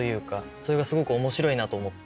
それがすごく面白いなと思って。